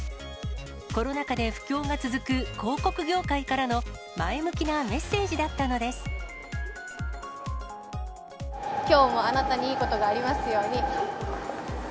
コロナ禍で不況が続く広告業界からの前向きなメッセージだったのきょうもあなたにいいことがありますように。